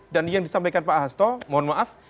dan yang disampaikan pak hasto mohon maaf